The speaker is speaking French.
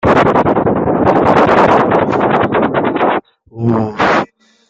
Il prévient également ne plus participer à la production, comme ses précédentes mixtapes.